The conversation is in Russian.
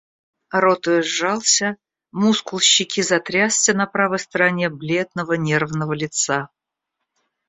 Рот ее сжался, мускул щеки затрясся на правой стороне бледного, нервного лица.